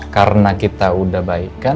karena kita udah baik kan